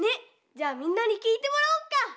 じゃあみんなにきいてもらおうか！